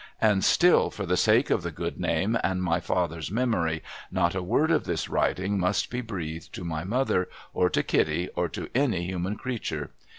And still for the sake of the Good Name, and my father's memory, not a word of this writing must be breathed to my mother, or to Kitty, or to any human creature.